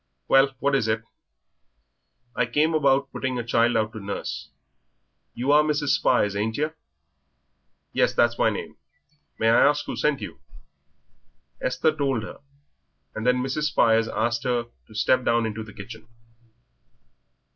"Well, what is it?" "I came about putting a child out to nurse. You are Mrs. Spires, ain't yer?" "Yes, that's my name. May I ask who sent you?" Esther told her, and then Mrs. Spires asked her to step down into the kitchen.